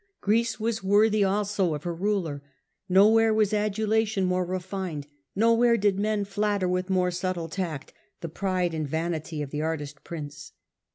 Greece was worthy also of her ruler ; nowhere was adulation more refined, nowhere did men flatter with more subtle tact the pride and vanity of the artist prince.